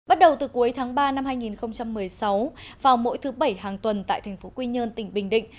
bắt đầu từ cuối tháng ba năm hai nghìn một mươi sáu vào mỗi thứ bảy hàng tuần tại thành phố quy nhơn tỉnh bình định